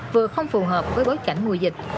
vừa không phù hợp với bối cảnh mùa dịch